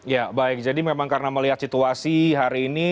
ya baik jadi memang karena melihat situasi hari ini